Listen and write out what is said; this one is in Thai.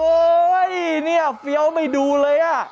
โอ้โฮนี่เฟี้ยวไม่ดูเลย